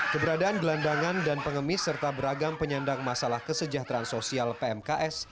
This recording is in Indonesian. keberadaan gelandangan dan pengemis serta beragam penyandang masalah kesejahteraan sosial pmks